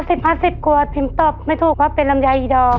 แม้กับ๕๐ภาษฎิกตร์พีมตอบไม่ถูกเพราะเป็นลำไยอีดอ